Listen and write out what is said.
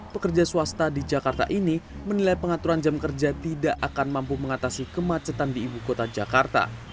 pekerja swasta di jakarta ini menilai pengaturan jam kerja tidak akan mampu mengatasi kemacetan di ibu kota jakarta